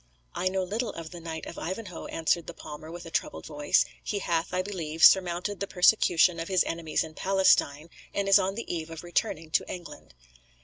"I know little of the Knight of Ivanhoe," answered the palmer with a troubled voice. "He hath, I believe, surmounted the persecution of his enemies in Palestine, and is on the eve of returning to England."